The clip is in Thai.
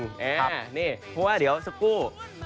เพราะว่าเดี๋ยวสักครู่